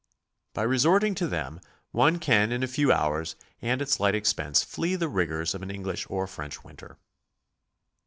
By resorting to them one can in a few hours and at slight expense flee the rigors of an English or French winter.